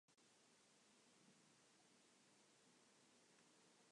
This is followed by a Prokeimenon, a reading from Isaiah and another Prokeimenon.